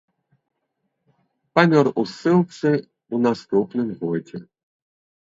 Памёр у ссылцы ў наступным годзе.